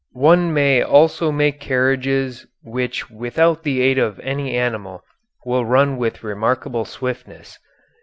One may also make carriages which without the aid of any animal will run with remarkable swiftness.